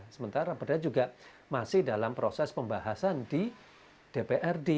sementara perda juga masih dalam proses pembahasan di dprd